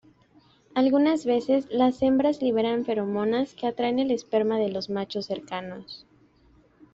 Algunas veces las hembras liberan feromonas que atraen el esperma de los machos cercanos.